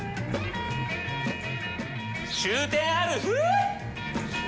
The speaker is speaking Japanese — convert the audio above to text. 終点あるフ！